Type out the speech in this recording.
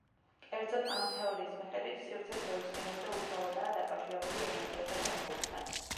კერძოდ, ამ თეორიის მიხედვით სივრცე-დროის სიმრუდე უშუალოდაა დაკავშირებული ენერგიასა და იმპულსთან.